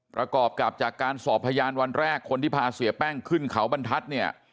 ประกอบกับจากการสอบพยานวันแรกคนที่พาเสียแป้งขึ้นเขาบรรทัศน์เนี่ย